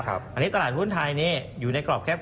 อันนี้ตลาดหุ้นไทยนี่อยู่ในกรอบครับ